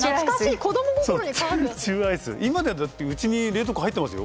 今でうちに冷凍庫入ってますよ。